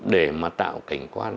để mà tạo cảnh quan